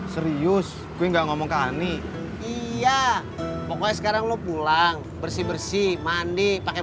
serius gue nggak ngomong ke ani iya pokoknya sekarang lo pulang bersih bersih mandi pakai